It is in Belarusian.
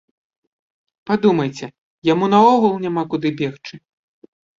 Падумайце, яму наогул няма куды бегчы.